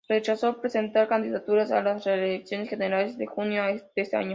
Rechazó presentar candidaturas a las elecciones generales de junio de ese año.